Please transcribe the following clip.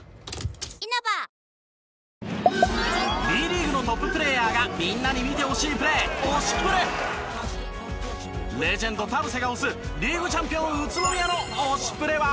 Ｂリーグのトッププレーヤーがみんなに見てほしいプレーレジェンド田臥が推すリーグチャンピオン宇都宮の推しプレは。